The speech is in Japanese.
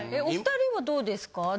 お２人はどうですか？